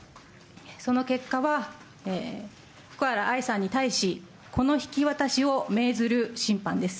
その結果は、福原愛さんに対し、子の引き渡しを命ずる審判です。